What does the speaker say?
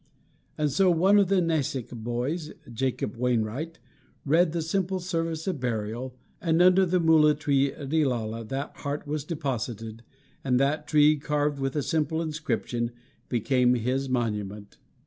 And so one of the Nassik boys, Jacob Wainright, read the simple service of burial, and under the moula tree at Ilala that heart was deposited, and that tree, carved with a simple inscription, became his monument.